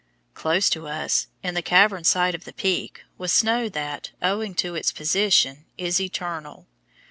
Close to us, in the caverned side of the Peak, was snow that, owing to its position, is eternal.